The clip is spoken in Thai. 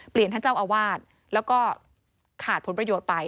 ท่านเจ้าอาวาสแล้วก็ขาดผลประโยชน์ไป